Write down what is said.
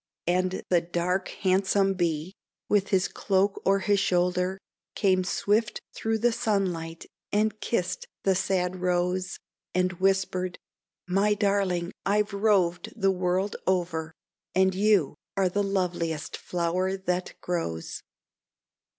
And the dark, handsome Bee, with his cloak o'er his shoulder, Came swift through the sunlight and kissed the sad Rose, And whispered: "My darling, I've roved the world over, And you are the loveliest flower that grows."